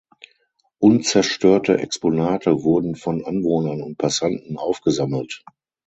Unzerstörte Exponate wurden von Anwohnern und Passanten aufgesammelt.